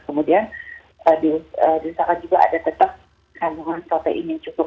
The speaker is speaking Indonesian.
kemudian diusahakan juga ada tetap kaloris protein yang cukup